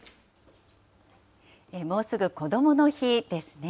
もうすぐこどもの日ですね。